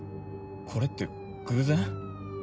これって偶然？